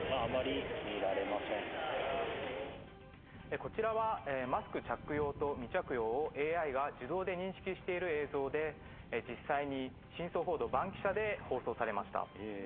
こちらはマスク着用と未着用をＡＩが自動で認識している映像で実際に『真相報道バンキシャ！』で放送されました。